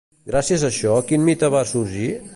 Gràcies a això, quin mite va sorgir?